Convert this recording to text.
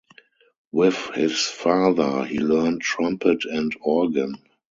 With his father he learned trumpet and organ.